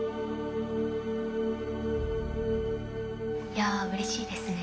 いやうれしいですね。